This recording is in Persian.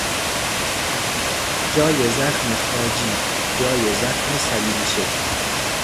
جای زخم خاجی، جای زخم صلیبی شکل